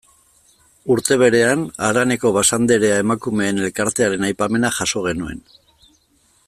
Urte berean, haraneko Basanderea emakumeen elkartearen aipamena jaso genuen.